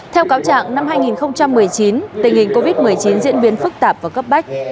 theo cáo trạng năm hai nghìn một mươi chín tình hình covid một mươi chín diễn biến phức tạp và cấp bách